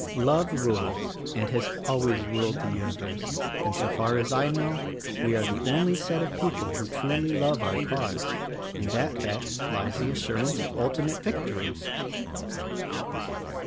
Love rules, and 'has always ruled the universe; and so far as I know, we are the only set of people who truly love our cause. In that fact lies the assurance of ultimate victory."